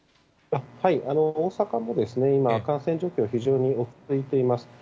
大阪も今、感染は非常に落ち着いています。